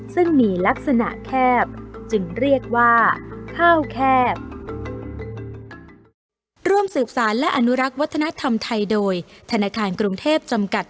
ซึ่งมีลักษณะแคบจึงเรียกว่าข้าวแคบ